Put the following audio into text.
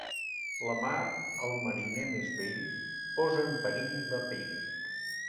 La mar, al mariner més vell, posa en perill la pell.